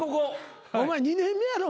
お前２年目やろ？